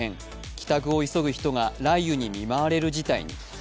帰宅を急ぐ人が雷雨に見舞われる事態に。